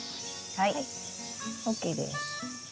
はいＯＫです。